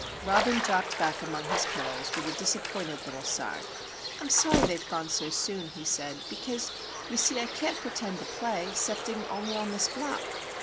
Robin dropped back among his pillows with a disappointed little sigh. "I'm sorry they've gone so soon," he said; "because, you see, I can't pertend to play, 'cepting only on this block."